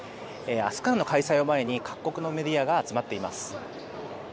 明日からの開催を前に各国のメディアが集まっています。